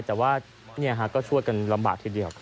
แต่ว่าก็ช่วยกันลำบากทีเดียว